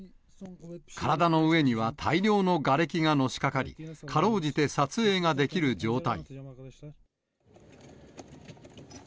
体の上には大量のがれきがのしかかり、かろうじて撮影ができる状態。